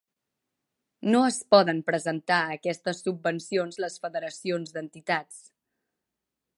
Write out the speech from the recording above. No es poden presentar a aquestes subvencions les federacions d'entitats.